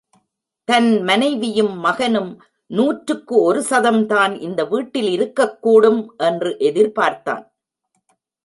தன் மனைவியும், மகனும் நூற்றுக்கு ஒரு சதம்தான் இந்த வீட்டில் இருக்கக் கூடும் என்று எதிர்பார்த்தான்.